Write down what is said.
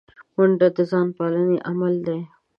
منډه د ځان پالنې عمل دی